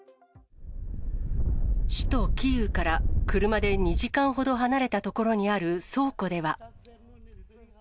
首都キーウから車で２時間ほど離れた所にある倉庫では。